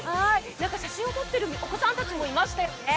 写真を撮ってるお子さんたちもいましたよね。